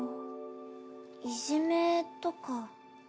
いじめとか。